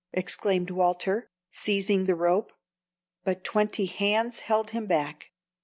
exclaimed Walter, seizing the rope. But twenty hands held him back.